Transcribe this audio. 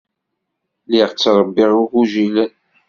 Lliɣ ttṛebbiɣ igujilen.